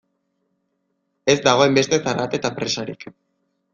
Ez dago hainbeste zarata eta presarik.